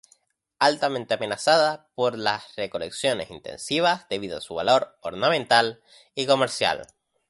Altamente amenazada por las recolecciones intensivas debido a su valor ornamental y comercial.